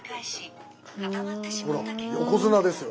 ほら横綱ですよ。